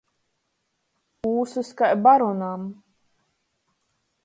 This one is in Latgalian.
Ūsys kai baronam.